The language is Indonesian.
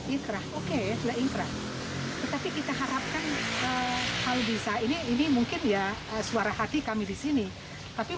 ikrah oke kita ingat tetapi kita harapkan hal bisa ini ini mungkin ya suara hati kami disini tapi